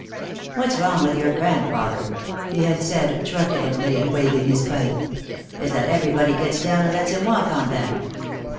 "What's wrong with your grandfather," he had said, truculently, and waving his pipe, "is that everybody gets down and lets him walk on them.